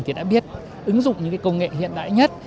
thì đã biết ứng dụng những công nghệ hiện đại nhất